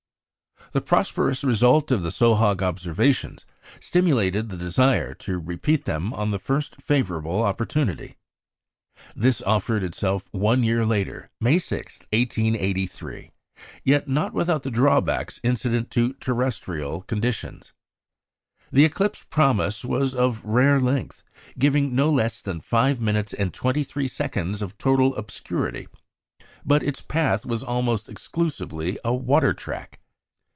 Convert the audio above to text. The prosperous result of the Sohag observations stimulated the desire to repeat them on the first favourable opportunity. This offered itself one year later, May 6, 1883, yet not without the drawbacks incident to terrestrial conditions. The eclipse promised was of rare length, giving no less than five minutes and twenty three seconds of total obscurity, but its path was almost exclusively a "water track."